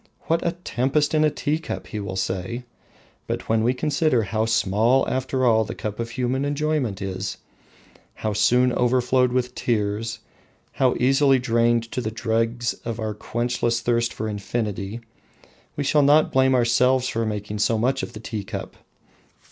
What a tempest in a tea cup! he will say. But when we consider how small after all the cup of human enjoyment is, how soon overflowed with tears, how easily drained to the dregs in our quenchless thirst for infinity, we shall not blame ourselves for making so much of the tea cup.